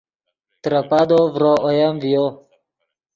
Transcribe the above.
ترے پادو ڤرو اوئیم ڤیو